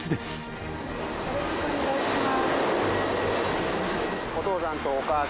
よろしくお願いします